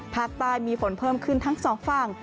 ภาคใต้มีฝนเพิ่มขึ้นทั้งสองฝั่ง